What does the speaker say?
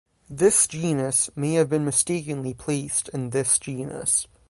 This genus may have been mistakenly placed in this genus.